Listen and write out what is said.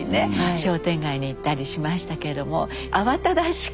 商店街に行ったりしましたけども慌ただしく。